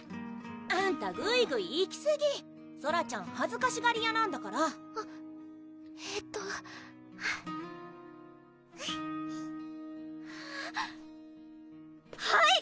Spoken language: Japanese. あんたグイグイ行きすぎソラちゃんはずかしがり屋なんだからあっえっとあっはい！